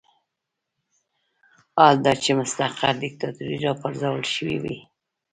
حال دا چې مستقر دیکتاتور راپرځول شوی وي.